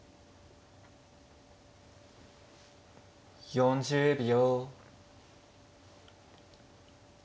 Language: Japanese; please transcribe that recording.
４０秒。